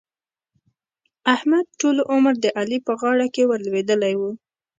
احمد؛ ټول عمر د علي په غاړه کې ور لوېدلی وو.